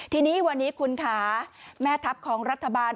ทีนี้วันนี้คุณค่ะแม่ทัพของรัฐบาล